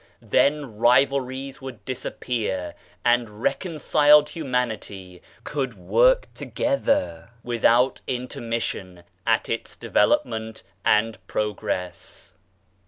Then rivalries would disappear and reconciled humanity could work together, without intermission, at its development and progress.